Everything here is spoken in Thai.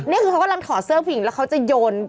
นี่คือเขากำลังถอดเสื้อผู้หญิงแล้วเขาจะโยน